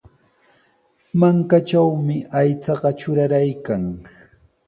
Mankatrawmi aychaqa truraraykan.